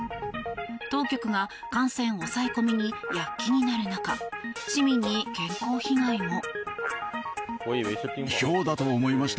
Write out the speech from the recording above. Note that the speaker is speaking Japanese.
当局が感染抑え込みに躍起になる中市民に健康被害も。